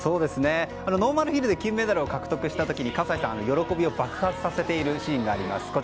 ノーマルヒルで金メダルを獲得した時に葛西さん、喜びを爆発させているシーンがあります。